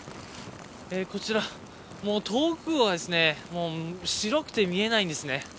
遠くは白くて見えないんですね。